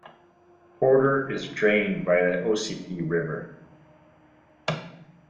Porter is drained by the Ossipee River.